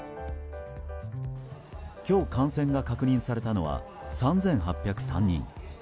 今日感染が確認されたのは３８０３人。